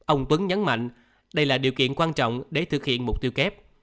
ông tuấn nhấn mạnh đây là điều kiện quan trọng để thực hiện mục tiêu kép